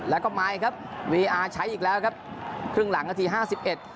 แล้วก็ไมค์ครับวีอาร์ใช้อีกแล้วครับครึ่งหลังนาทีห้าสิบเอ็ด